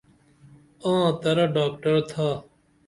آں ،ترہ ڈاکڑ تھا